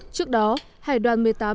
trước đó hải đoàn một mươi tám cũng phát hiện